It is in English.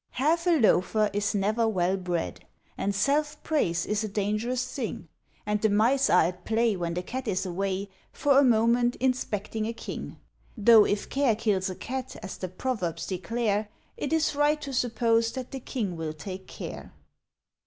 Half a loafer is never well bred, And Self Praise is a Dangerous Thing. And the Mice are at play When the Cat is away, For a moment, inspecting a King. (Tho' if Care kills a Cat, as the Proverbs declare, It is right to suppose that the King will take care.)